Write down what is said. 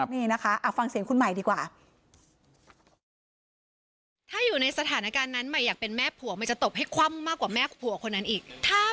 นี่นะคะฟังเสียงคุณใหม่ดีกว่า